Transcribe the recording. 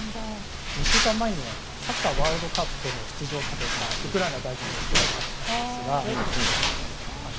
２週間前にはサッカーワールドカップの出場をかけたウクライナ代表の試合があったんですがこのときの写真です。